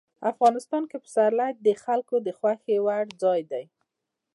افغانستان کې پسرلی د خلکو د خوښې وړ ځای دی.